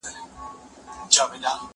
زه هره ورځ سبزیجات وخورم؟